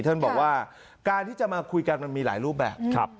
ท่านบอกว่าการที่จะมาคุยกันมันมีหลายรูปแบบ